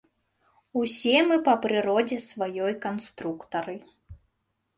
Усе мы па прыродзе сваёй канструктары.